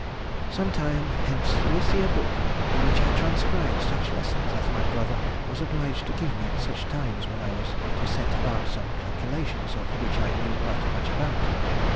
Some time hence you will see a book in which I transcribed such lessons as my brother was obliged to give me at such times when I was to set about some calculations of which I knew not much about.